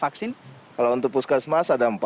vaksin kalau untuk puskesmas ada empat